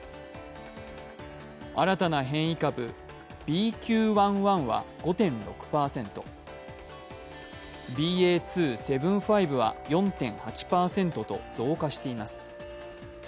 新たな変異株ＢＱ．１．１は５．６％、ＢＡ．２．７５は４．８％と増加しています。